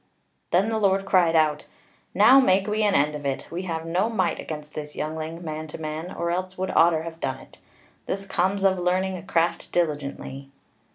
Then the Lord cried out: "Now make we an end of it! We have no might against this youngling, man to man: or else would Otter have done it. This comes of learning a craft diligently."